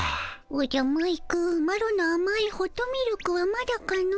おじゃマイクマロのあまいホットミルクはまだかの？